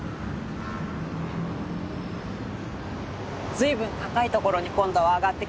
随分高いところに今度は上がってきましたよね。